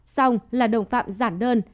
xong là đồng phạm giản đơn